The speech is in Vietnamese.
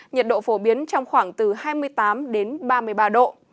nhiệt độ phổ biến trong khoảng từ hai mươi tám đến ba mươi ba độ